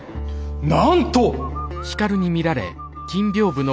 なんと！